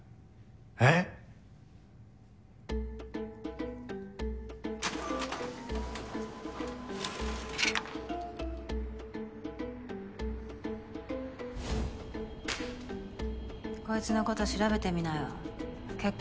えっ？こいつのこと調べてみなよ。